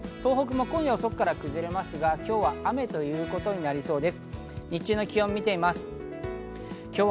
東北も今夜遅くから崩れますが、今日は雨ということになりそうです。